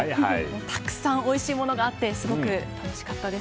たくさんおいしいものがあってすごく楽しかったです。